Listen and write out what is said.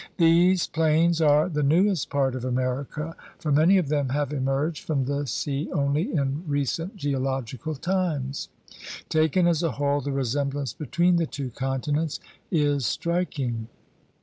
These plains are the newest part of America, for many of them have emerged from the sea only in recent geological times. Taken as a whole the resemblance between the two continents is striking.